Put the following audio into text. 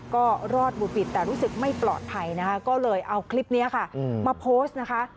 ก็รอดบุบิดแต่รู้สึกไม่ปลอดภัยนะคะก็เลยเอาคลิปนี้ค่ะมาโพสต์นะคะ